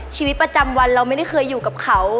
ชีวิตประจำวันเราไม่ได้เคยอยู่กับเขา